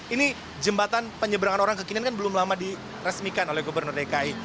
ini jembatan penyeberangan orang kekinian kan belum lama diresmikan oleh gubernur dki